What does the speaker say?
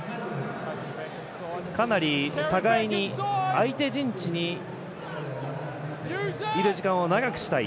かなり互いに相手陣地にいる時間を長くしたい。